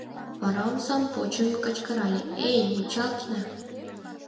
Вара омсам почын кычкырале: — Эй, Мочалкина!